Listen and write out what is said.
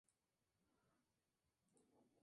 La actuación de Collins recibió muy buenas críticas.